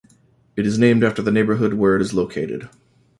It is named after the neighborhood where it is located.